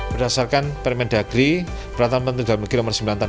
pertama kali di daerah negeri perantara penduduk negeri nomor sembilan dan enam belas